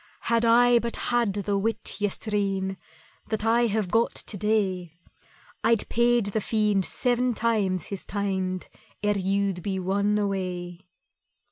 "Had I but had the wit yestreen That I have got to day, I'd paid the Fiend seven times his teind Ere you'd been won away."